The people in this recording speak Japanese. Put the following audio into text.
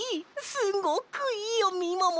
すごくいいよみもも！